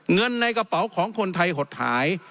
เงินในกระเป๋าของคนไทยหดหาย